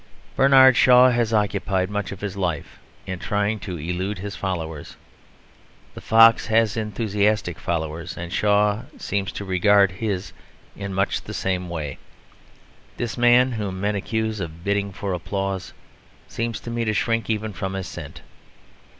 Bernard Shaw has occupied much of his life in trying to elude his followers. The fox has enthusiastic followers, and Shaw seems to regard his in much the same way. This man whom men accuse of bidding for applause seems to me to shrink even from assent.